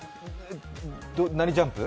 何ジャンプ？